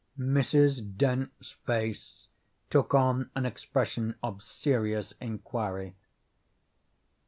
Mrs. Dent's face took on an expression of serious inquiry.